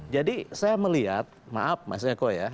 jadi saya melihat maaf mas eko ya